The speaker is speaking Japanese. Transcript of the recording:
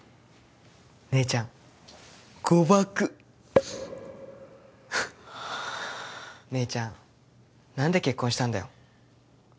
姉ちゃん誤爆姉ちゃん何で結婚したんだよ